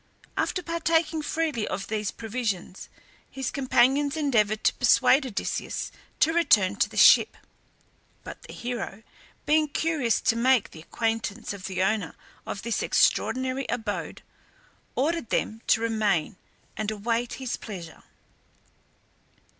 After partaking freely of these provisions his companions endeavoured to persuade Odysseus to return to the ship; but the hero being curious to make the acquaintance of the owner of this extraordinary abode, ordered them to remain and await his pleasure.